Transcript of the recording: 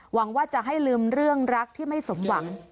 หวังว่าจะให้ลืมเรื่องรักที่ไม่สมหวัง